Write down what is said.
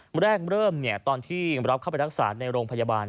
แรกเริ่มตอนที่รับเข้าไปรักษาในโรงพยาบาล